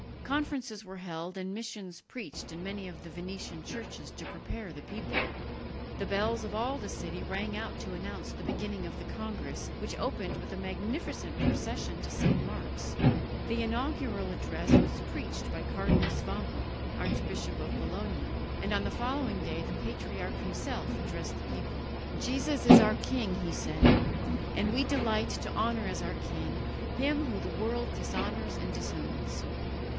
Conferences were held and missions preached in many of the Venetian churches to prepare the people. The bells of all the city rang out to announce the beginning of the congress, which opened with a magnificent procession to St. Mark's. The inaugural address was preached by Cardinal Svampa, Archbishop of Bologna; and on the following day the patriarch himself addressed the people. "Jesus is our king," he said, "and we delight to honour as our king Him whom the world dishonours and disowns.